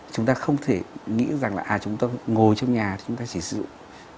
chúng ta không thể nghĩ rằng là chúng ta ngồi trong nhà chúng ta chỉ sử dụng